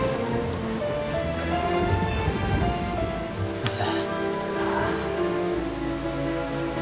先生。